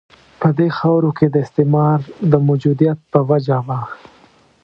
په دې خاورو کې د استعمار د موجودیت په وجه وه.